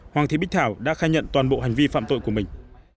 hoàng thị bích thảo đã khai nhận toàn bộ hành vi phạm tội của mình